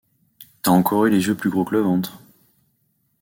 T’as encore eu les yeux plus gros que le ventre. ..